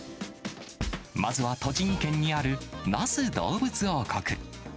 まずは栃木県にある那須どうぶつ王国。